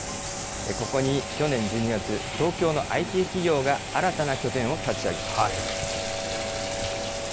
ここに、去年１２月、東京のＩＴ企業が新たな拠点を立ち上げました。